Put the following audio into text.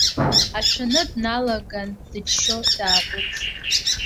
Ашәаны дналаган дыччо дааҟәыҵт.